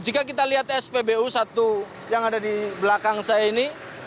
jika kita lihat spbu satu yang ada di belakang saya ini